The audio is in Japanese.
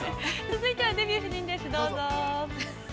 ◆続いては「デビュー夫人」です、どうぞ。